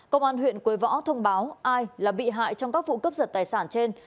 công an huyện quế võ thông báo ai là bị hại trong các vụ cướp giật tài sản trên